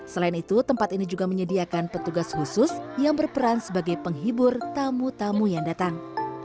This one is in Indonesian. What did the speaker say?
selain itu tempat ini juga menyediakan petugas khusus yang berperan sebagai penghibur tamu tamu yang datang